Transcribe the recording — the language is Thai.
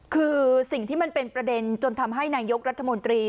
คือสิ่งที่มันเป็นประเด็นจนทำให้นายกรัฐมนตรี